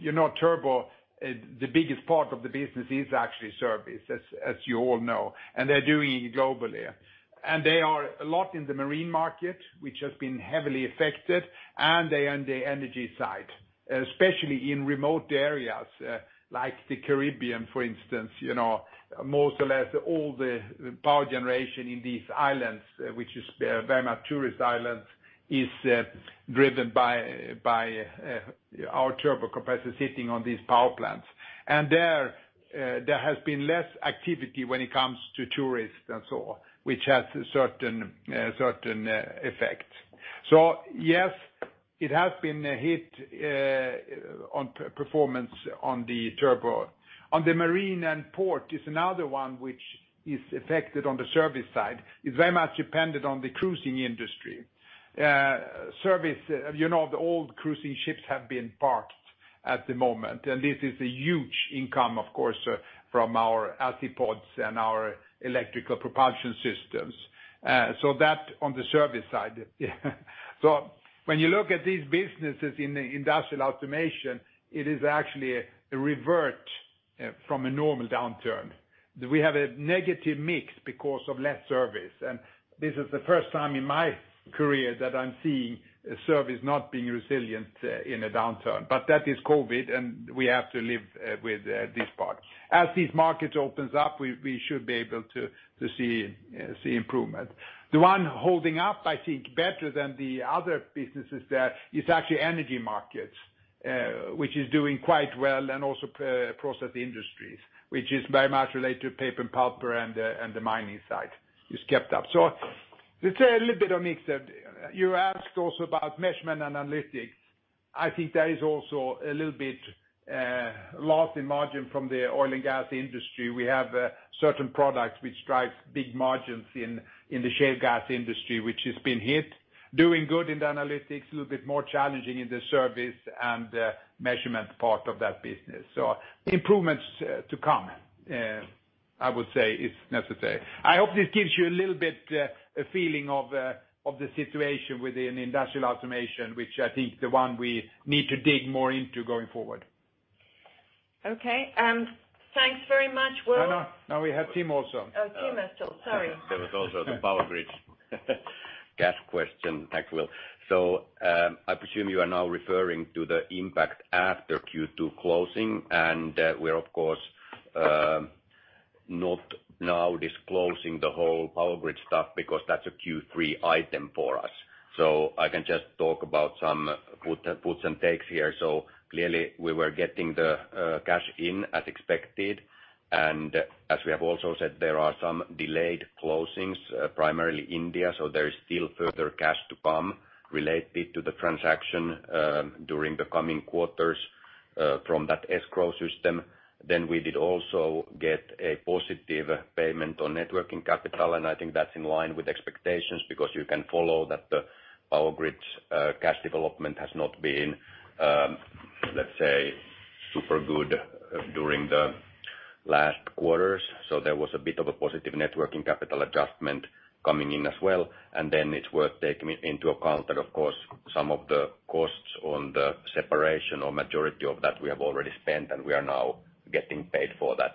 Speaker 3: You know Turbo, the biggest part of the business is actually service, as you all know, and they're doing it globally. They are a lot in the marine market, which has been heavily affected, and on the energy side, especially in remote areas like the Caribbean, for instance. More or less all the power generation in these islands, which is very much tourist islands, is driven by our turbo compressor sitting on these power plants. There has been less activity when it comes to tourists and so on, which has a certain effect. Yes, it has been a hit on performance on the Turbo. On the marine and port is another one which is affected on the service side. It is very much dependent on the cruising industry. All cruising ships have been parked at the moment, and this is a huge income, of course, from our Azipods and our electrical propulsion systems. That on the service side. When you look at these businesses in Industrial Automation, it is actually a revert from a normal downturn, that we have a negative mix because of less service. This is the first time in my career that I'm seeing service not being resilient in a downturn, that is COVID, and we have to live with this part. As this market opens up, we should be able to see improvement. The one holding up, I think, better than the other businesses there is actually Energy Industries, which is doing quite well, and also Process Industries, which is very much related to paper and pulp and the mining side. It's kept up. Let's say a little bit of mix. You asked also about Measurement & Analytics. I think there is also a little bit loss in margin from the oil and gas industry. We have certain products which drive big margins in the shale gas industry, which has been hit. Doing good in the analytics, a little bit more challenging in the service and measurement part of that business. Improvements to come, I would say is necessary. I hope this gives you a little bit a feeling of the situation within Industrial Automation, which I think the one we need to dig more into going forward.
Speaker 2: Okay. Thanks very much, Will.
Speaker 3: No, we have Timo also.
Speaker 2: Oh, Timo still. Sorry.
Speaker 4: There was also the Power Grids cash question. Thanks, Will. I presume you are now referring to the impact after Q2 closing, and we're, of course, not now disclosing the whole Power Grids stuff because that's a Q3 item for us. I can just talk about some puts and takes here. Clearly, we were getting the cash in as expected, and as we have also said, there are some delayed closings, primarily India, so there is still further cash to come related to the transaction during the coming quarters from that escrow system. We did also get a positive payment on net working capital, and I think that's in line with expectations because you can follow that the Power Grids' cash development has not been, let's say, super good during the last quarters. There was a bit of a positive net working capital adjustment coming in as well. Then it's worth taking into account that, of course, some of the costs on the separation or majority of that we have already spent, and we are now getting paid for that.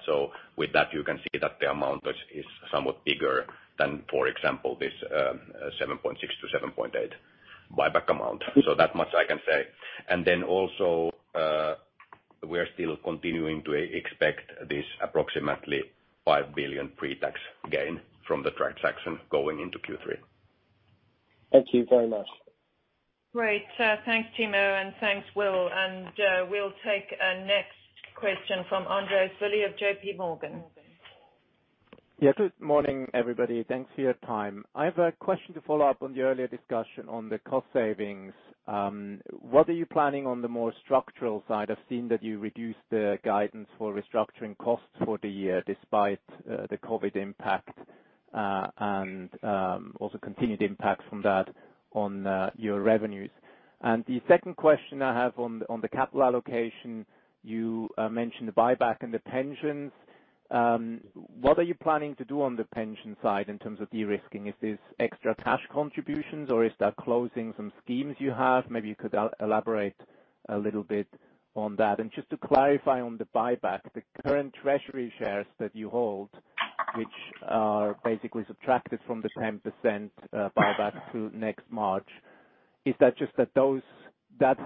Speaker 4: With that, you can see that the amount is somewhat bigger than, for example, this $7.6-$7.8 buyback amount. That much I can say. Then also, we're still continuing to expect this approximately $5 billion pre-tax gain from the transaction going into Q3.
Speaker 11: Thank you very much.
Speaker 2: Great. Thanks, Timo, and thanks, Will. We'll take a next question from Andreas Willi of JP Morgan.
Speaker 12: Yes. Good morning, everybody. Thanks for your time. I have a question to follow up on the earlier discussion on the cost savings. What are you planning on the more structural side? I've seen that you reduced the guidance for restructuring costs for the year despite the COVID impact, and also continued impact from that on your revenues. The second question I have on the capital allocation, you mentioned the buyback and the pensions. What are you planning to do on the pension side in terms of de-risking? Is this extra cash contributions or is that closing some schemes you have? Maybe you could elaborate a little bit on that. Just to clarify on the buyback, the current treasury shares that you hold, which are basically subtracted from the 10% buyback through next March, is that just that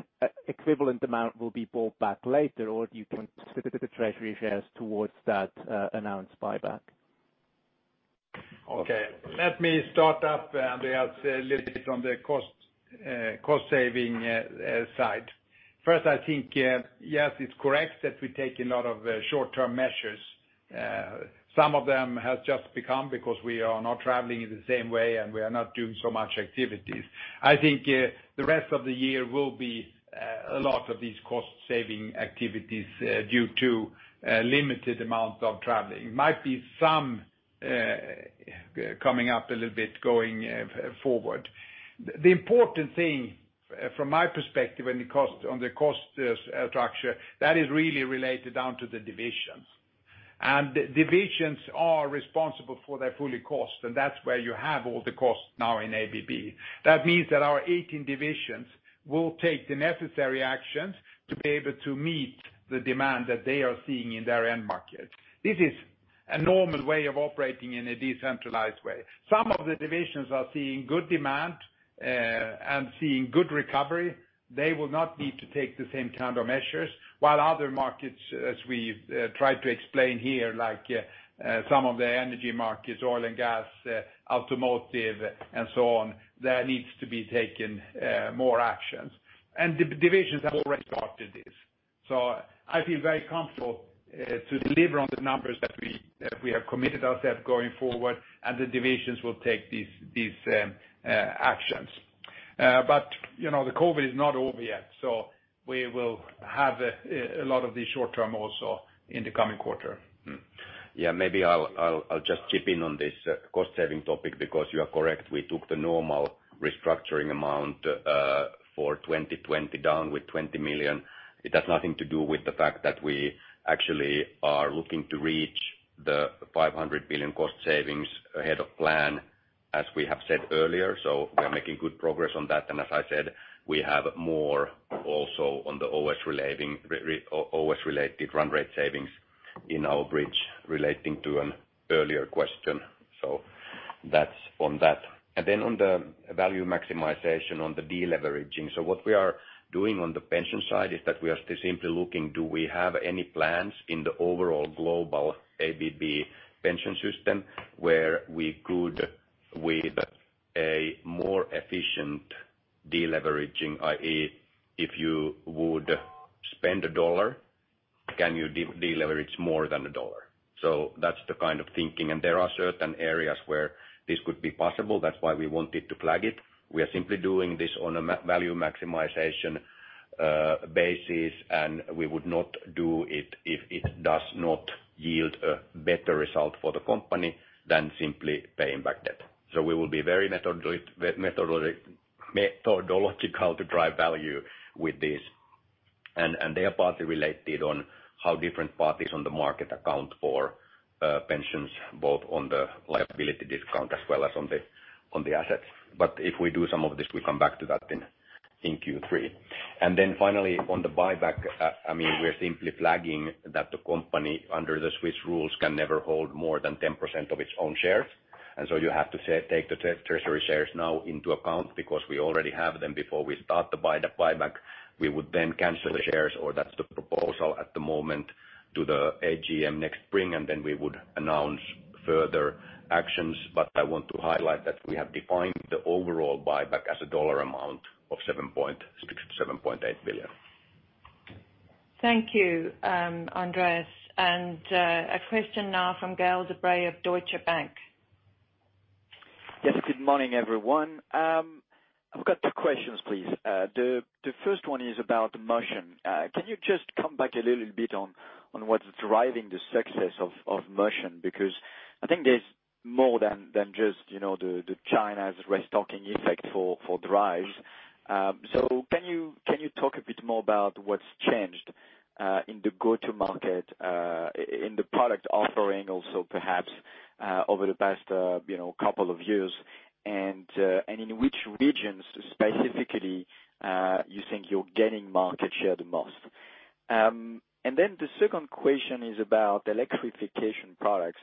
Speaker 12: equivalent amount will be bought back later, or you can contribute the treasury shares towards that announced buyback?
Speaker 3: Okay. Let me start up, Andreas, a little bit on the cost saving side. I think, yes, it's correct that we take a lot of short-term measures. Some of them has just become because we are not traveling in the same way, and we are not doing so much activities. I think the rest of the year will be a lot of these cost-saving activities due to limited amounts of traveling. Might be some coming up a little bit going forward. The important thing, from my perspective on the cost structure, that is really related down to the divisions. Divisions are responsible for their full cost, and that's where you have all the costs now in ABB. That means that our 18 divisions will take the necessary actions to be able to meet the demand that they are seeing in their end market. This is a normal way of operating in a decentralized way. Some of the divisions are seeing good demand and seeing good recovery. They will not need to take the same kind of measures, while other markets, as we've tried to explain here, like some of the Energy Industries, oil and gas, automotive, and so on, there needs to be taken more actions. Divisions have already started this. I feel very comfortable to deliver on the numbers that we have committed ourselves going forward, and the divisions will take these actions. The COVID is not over yet, so we will have a lot of the short term also in the coming quarter.
Speaker 4: Yeah, maybe I'll just chip in on this cost-saving topic. You are correct. We took the normal restructuring amount for 2020 down with $20 million. It has nothing to do with the fact that we actually are looking to reach the $500 million cost savings ahead of plan as we have said earlier. We are making good progress on that. That's on that. On the value maximization on the de-leveraging. What we are doing on the pension side is that we are simply looking, do we have any plans in the overall global ABB pension system where we could, with a more efficient de-leveraging, i.e., if you would spend $1, can you de-leverage more than $1? That is the kind of thinking, and there are certain areas where this could be possible. That is why we wanted to flag it. We are simply doing this on a value maximization basis, and we would not do it if it does not yield a better result for the company than simply paying back debt. We will be very methodological to drive value with this. They are partly related on how different parties on the market account for pensions, both on the liability discount as well as on the assets. If we do some of this, we come back to that in Q3. Finally, on the buyback, we're simply flagging that the company, under the Swiss rules, can never hold more than 10% of its own shares. You have to take the treasury shares now into account because we already have them before we start the buyback. We would then cancel the shares, or that's the proposal at the moment, to the AGM next spring, and then we would announce further actions. I want to highlight that we have defined the overall buyback as a dollar amount of $7.8 billion.
Speaker 2: Thank you, Andreas. A question now from Gael De-Bray of Deutsche Bank.
Speaker 13: Yes, good morning, everyone. I've got two questions, please. The first one is about Motion. Can you just come back a little bit on what's driving the success of Motion? I think there's more than just the China's restocking effect for drives. Can you talk a bit more about what's changed in the go-to market, in the product offering also perhaps over the past couple of years, and in which regions specifically you think you're gaining market share the most? The second question is about Electrification Products.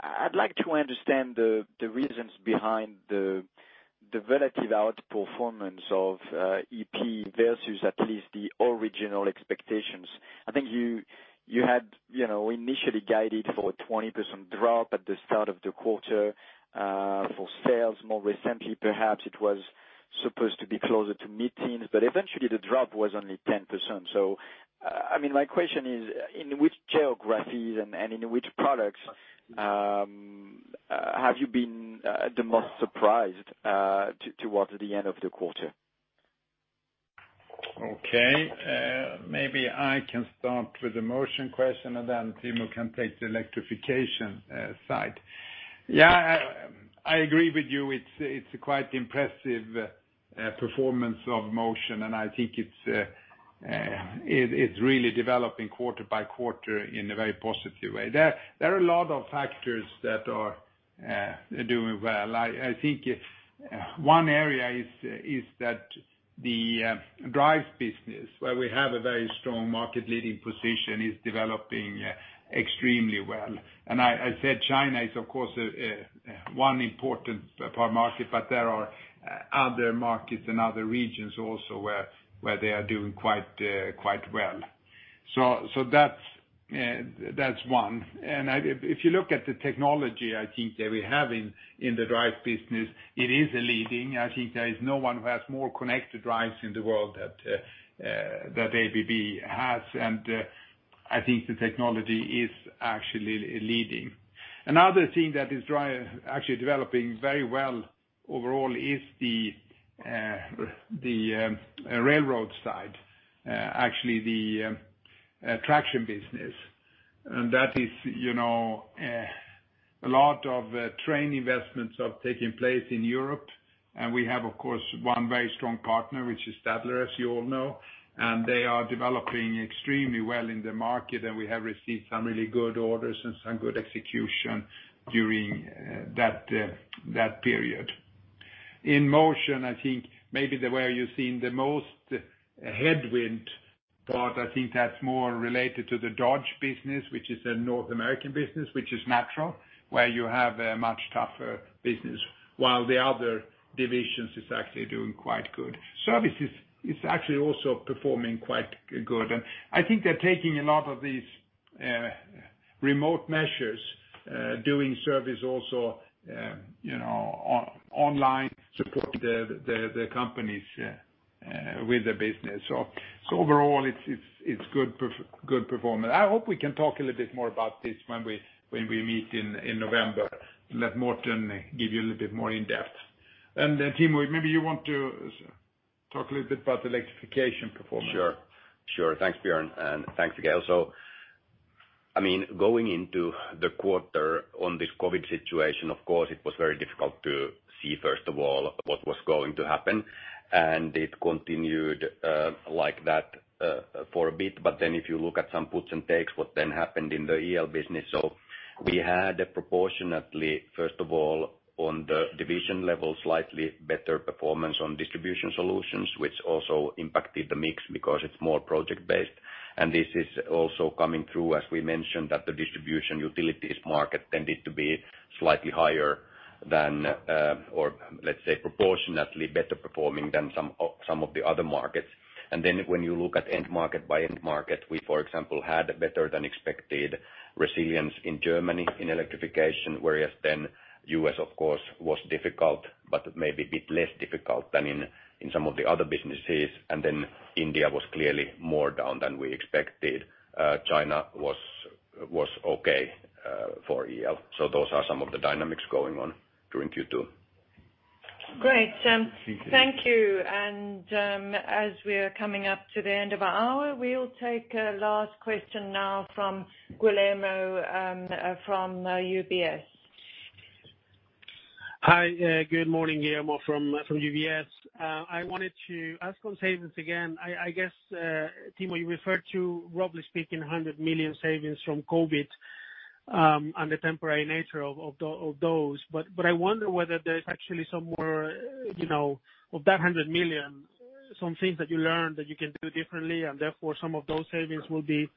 Speaker 13: I'd like to understand the reasons behind the relative outperformance of EP versus at least the original expectations. I think you had initially guided for a 20% drop at the start of the quarter for sales. Supposed to be closer to mid-teens, but eventually the drop was only 10%. My question is, in which geographies and in which products have you been the most surprised towards the end of the quarter?
Speaker 3: Okay. Maybe I can start with the Motion question, and then Timo can take the Electrification side. Yeah, I agree with you. It's a quite impressive performance of Motion, and I think it's really developing quarter by quarter in a very positive way. There are a lot of factors that are doing well. I think one area is that the drive business, where we have a very strong market leading position, is developing extremely well. I said China is, of course, one important part of market, but there are other markets and other regions also where they are doing quite well. That's one. If you look at the technology, I think that we have in the drive business, it is leading. I think there is no one who has more connected drives in the world that ABB has. I think the technology is actually leading. Another thing that is actually developing very well overall is the railroad side, actually the traction business. That is a lot of train investments have taken place in Europe, and we have, of course, one very strong partner, which is Stadler, as you all know. They are developing extremely well in the market, and we have received some really good orders and some good execution during that period. In Motion, I think maybe the way you're seeing the most headwind, but I think that's more related to the Dodge business, which is a North American business, which is natural, where you have a much tougher business, while the other divisions is actually doing quite good. Services is actually also performing quite good. I think they're taking a lot of these remote measures, doing service also online, supporting the companies with the business. Overall, it's good performance. I hope we can talk a little bit more about this when we meet in November. Let Morten give you a little bit more in-depth. Timo, maybe you want to talk a little bit about the Electrification performance.
Speaker 4: Sure. Thanks, Björn, and thanks, Gael. Going into the quarter on this COVID situation, of course, it was very difficult to see, first of all, what was going to happen, and it continued like that for a bit. If you look at some puts and takes, what then happened in the EL business. We had a proportionately, first of all, on the division level, slightly better performance on Distribution Solutions, which also impacted the mix because it's more project-based. This is also coming through, as we mentioned, that the distribution utilities market tended to be slightly higher than, or let's say, proportionately better performing than some of the other markets. When you look at end market by end market, we, for example, had better than expected resilience in Germany in Electrification, whereas U.S., of course, was difficult, but maybe a bit less difficult than in some of the other businesses. India was clearly more down than we expected. China was okay for EL. Those are some of the dynamics going on during Q2.
Speaker 2: Great. Thank you. As we are coming up to the end of our hour, we will take a last question now from Guillermo, from UBS.
Speaker 14: Hi, good morning. Guillermo from UBS. I wanted to ask on savings again. I guess, Timo, you referred to, roughly speaking, 100 million savings from COVID, and the temporary nature of those. I wonder whether there's actually some more, of that 100 million, some things that you learned that you can do differently, and therefore some of those savings will be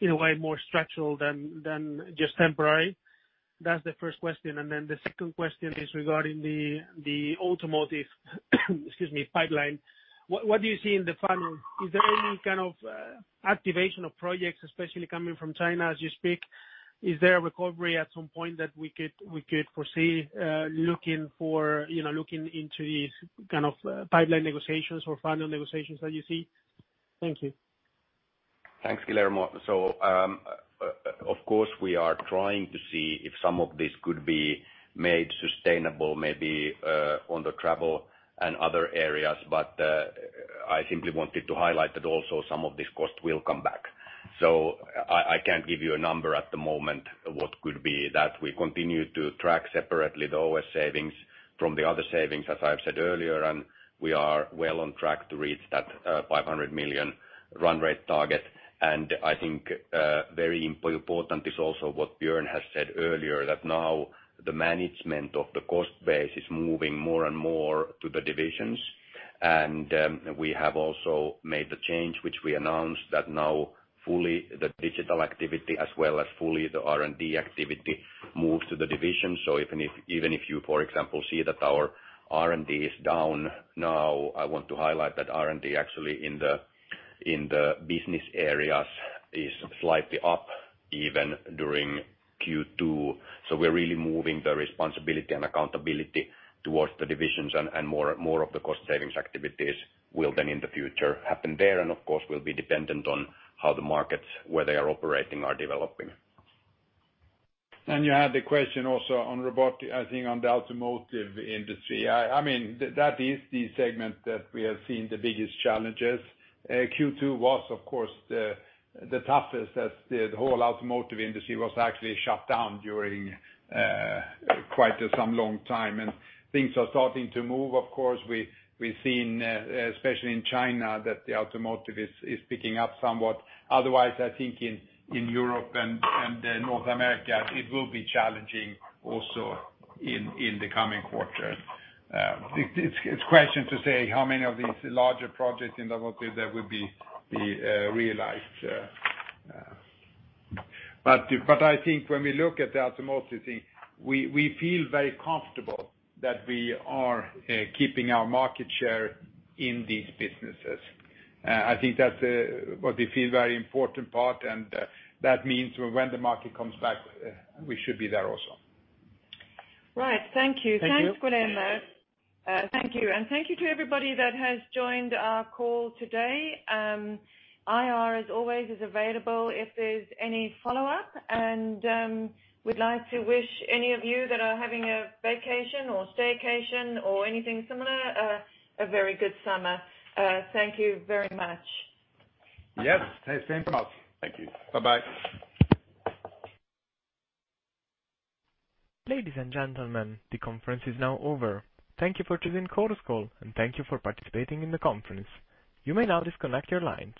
Speaker 14: in a way more structural than just temporary? That's the first question. The second question is regarding the automotive, excuse me, pipeline. What do you see in the funnel? Is there any kind of activation of projects, especially coming from China as you speak? Is there a recovery at some point that we could foresee, looking into these kind of pipeline negotiations or funnel negotiations that you see? Thank you.
Speaker 4: Thanks, Guillermo. Of course, we are trying to see if some of this could be made sustainable, maybe on the travel and other areas. I simply wanted to highlight that also some of these costs will come back. I can't give you a number at the moment what could be that. We continue to track separately the OS savings from the other savings, as I've said earlier, and we are well on track to reach that $500 million run rate target. I think very important is also what Björn has said earlier, that now the management of the cost base is moving more and more to the divisions. We have also made the change, which we announced, that now fully the digital activity as well as fully the R&D activity moves to the division. Even if you, for example, see that our R&D is down now, I want to highlight that R&D actually in the business areas is slightly up even during Q2. We're really moving the responsibility and accountability towards the divisions, and more of the cost savings activities will then, in the future, happen there. Of course, will be dependent on how the markets, where they are operating, are developing.
Speaker 3: You had the question also on robotic, I think, on the automotive industry. That is the segment that we have seen the biggest challenges. Q2 was, of course, the toughest as the whole automotive industry was actually shut down during quite some long time, and things are starting to move. Of course, we've seen, especially in China, that the automotive is picking up somewhat. Otherwise, I think in Europe and North America, it will be challenging also in the coming quarters. It's question to say how many of these larger projects in the market that would be realized. I think when we look at the automotive thing, we feel very comfortable that we are keeping our market share in these businesses. I think that's what we feel very important part, and that means when the market comes back, we should be there also.
Speaker 2: Right. Thank you.
Speaker 14: Thank you.
Speaker 2: Thanks, Guillermo. Thank you. Thank you to everybody that has joined our call today. IR, as always, is available if there's any follow-up. We'd like to wish any of you that are having a vacation or staycation or anything similar, a very good summer. Thank you very much.
Speaker 3: Yes. Same to us.
Speaker 4: Thank you.
Speaker 3: Bye-bye.
Speaker 1: Ladies and gentlemen, the conference is now over. Thank you for choosing Chorus Call, and thank you for participating in the conference. You may now disconnect your lines.